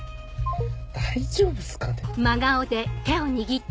大丈夫っすかね。